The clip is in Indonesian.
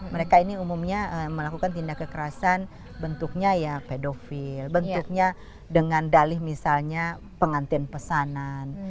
mereka ini umumnya melakukan tindak kekerasan bentuknya ya pedofil bentuknya dengan dalih misalnya pengantin pesanan